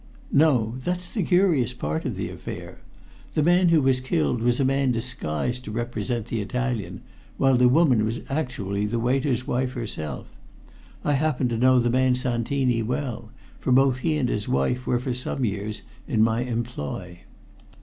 "No. That's the curious part of the affair. The man who was killed was a man disguised to represent the Italian, while the woman was actually the waiter's wife herself. I happen to know the man Santini well, for both he and his wife were for some years in my employ."